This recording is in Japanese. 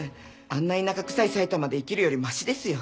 あんな田舎くさい埼玉で生きるよりましですよ。